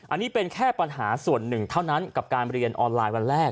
อันนี้เป็นแค่ปัญหาส่วนหนึ่งเท่านั้นกับการเรียนออนไลน์วันแรก